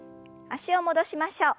脚を戻しましょう。